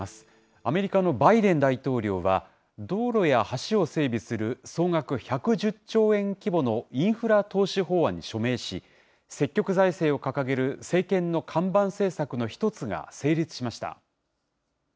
アメリカのバイデン大統領は、道路や橋を整備する総額１１０兆円規模のインフラ投資法案に署名し、積極財政を掲げる政権の看板政策の一つが成立しました。